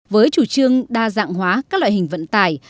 với chủ trương đa dạng hóa các loại hình vận tải